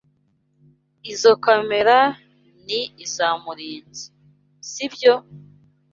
Izoi kamera ni izoa Murinzi, sibyo?